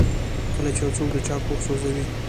کله چې یو څوک د چا کور سوځوي.